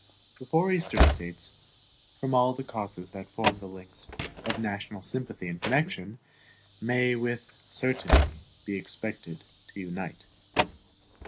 The four Eastern States, from all the causes that form the links of national sympathy and connection, may with certainty be expected to unite.